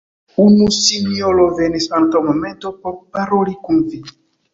Unu sinjoro venis antaŭ momento por paroli kun vi.